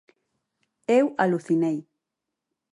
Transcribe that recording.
Eu alucinei.